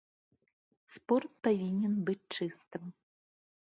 Спорт павінен быць чыстым.